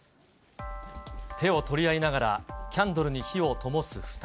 手を取り合いながらキャンドルに火をともす２人。